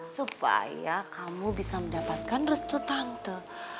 supaya kamu bisa mendapatkan restu tante